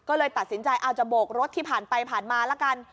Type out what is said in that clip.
ก็เลยตัดสินใจเอาจะโบกรถที่ผ่านไปผ่านมาละกัน